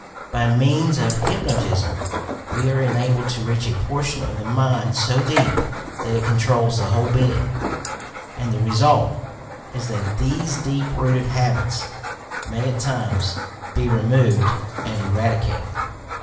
By means of hypnotism we are enabled to reach a portion of the mind so deep that it controls the whole being, and the YOUR PSYCHIC POWERS result is that these deep rooted habits may at times be removed and eradicated.